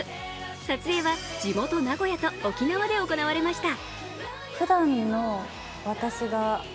撮影は地元・名古屋と沖縄で行われました。